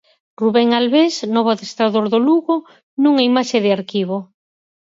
Rubén Albés, novo adestrador do Lugo, nunha imaxe de arquivo.